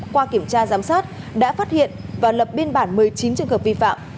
qua kiểm tra giám sát đã phát hiện và lập biên bản một mươi chín trường hợp vi phạm